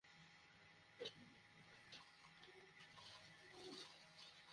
গভীর রাতে হঠাৎ জেগে দেখেন, তাঁর বন্ধু সুমন ভয়ে অস্বাভাবিক আচরণ করছেন।